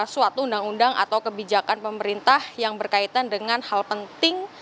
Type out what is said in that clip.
suatu undang undang atau kebijakan pemerintah yang berkaitan dengan hal penting